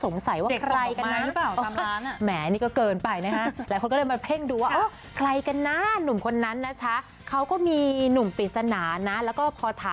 ไม่ใช่ก็ชื่อกลอนเหมือนกันละ